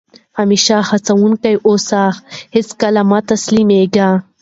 همېشه هڅه کوونکی اوسى؛ هېڅ کله مه تسلیمېږئ!